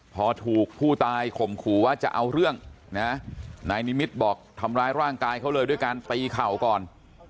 พอถูกผู้ตายข่มขู่ว่าจะเอาเรื่องนะนายนิมิตรบอกทำร้ายร่างกายเขาเลยด้วยการตีเข่าก่อน